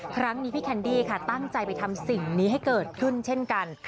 ครั้งนี้พี่แคนดี้ค่ะตั้งใจไปทำสิ่งนี้ให้เกิดขึ้นเช่นกัน